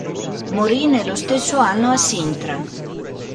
Morì nello stesso anno a Sintra.